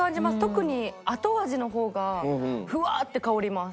特に後味の方がフワッて香ります。